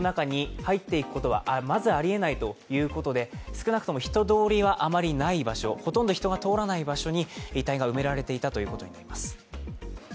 少なくとも人通りはあまりない場所、ほとんど人が通らない場所に遺体が埋められていたということになります。